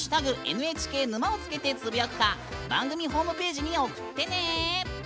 「＃ＮＨＫ沼」をつけてつぶやくか、番組ホームページに送ってね。